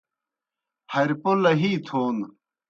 ہریپو لہی تھون